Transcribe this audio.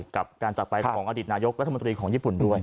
กับการจากไปของอดีตนายกรัฐมนตรีของญี่ปุ่นด้วย